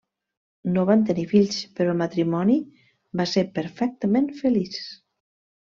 No van tenir fills, però el matrimoni va ser perfectament feliç.